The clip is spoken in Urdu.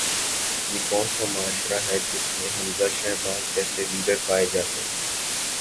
یہ کون سا معاشرہ ہے جس میں حمزہ شہباز جیسے لیڈر پائے جاتے ہیں؟